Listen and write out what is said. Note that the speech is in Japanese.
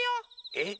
えっ？